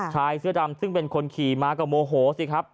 ชายเสื้อดำซึ่งเป็นคนขี่มาก็โมโหสิครับ